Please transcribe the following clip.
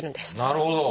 なるほど！